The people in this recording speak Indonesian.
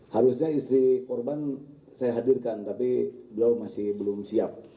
harusnya istri korban saya hadirkan tapi beliau masih belum siap